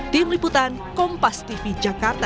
tim liputan kompas tv jakarta